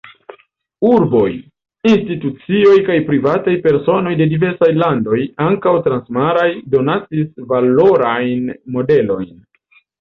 Urboj, institucioj kaj privataj personoj de diversaj landoj, ankaŭ transmaraj, donacis valorajn modelojn.